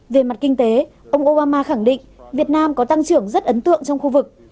về mặt kinh tế ông obama khẳng định việt nam có tăng trưởng rất ấn tượng trong khu vực